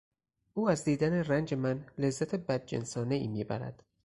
او از دیدن رنج من لذت بدجنسانهای میبرد.